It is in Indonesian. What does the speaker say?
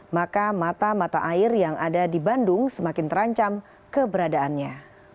maka mata mata air yang ada di bandung semakin terancam keberadaannya